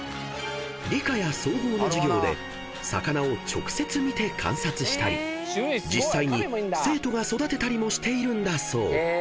［理科や総合の授業で魚を直接見て観察したり実際に生徒が育てたりもしているんだそう］